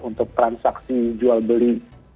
untuk transaksi jual beli